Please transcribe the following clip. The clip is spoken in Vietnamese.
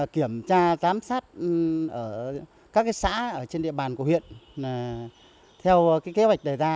kiểm tra giám sát các xã trên địa bàn của huyện theo kế hoạch đề ra